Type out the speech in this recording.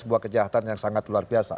sebuah kejahatan yang sangat luar biasa